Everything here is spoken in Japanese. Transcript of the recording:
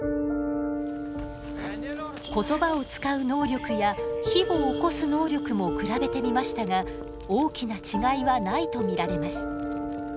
言葉を使う能力や火をおこす能力も比べてみましたが大きな違いはないと見られます。